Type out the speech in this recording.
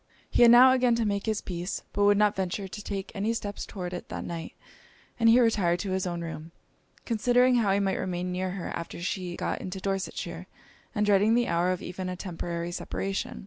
He had now again to make his peace, but would not venture to take any steps towards it that night; and he retired to his own room, considering how he might remain near her after she got into Dorsetshire, and dreading the hour of even a temporary separation.